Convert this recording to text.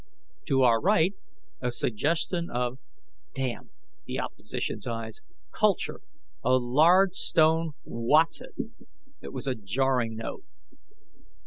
To our right, a suggestion of damn the opposition's eyes culture: a large stone whatzit. It was a jarring note.